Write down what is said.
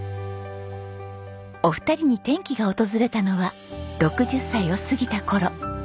お二人に転機が訪れたのは６０歳を過ぎた頃。